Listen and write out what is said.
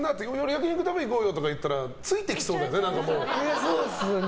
焼き肉食べに行こうよとか言ったらついてきそうだもんね。